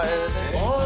oh kalau enggak